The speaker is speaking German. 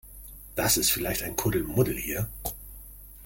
Das ist vielleicht ein Kuddelmuddel hier.